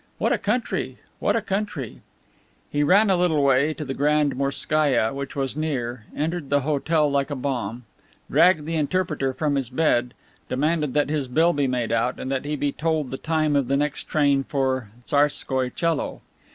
"What a country! What a country!" He ran a little way to the Grand Morskaia, which was near, entered the hotel like a bomb, dragged the interpreter from his bed, demanded that his bill be made out and that he be told the time of the next train for Tsarskoie Coelo.